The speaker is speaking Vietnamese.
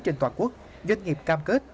trên toàn quốc doanh nghiệp cam kết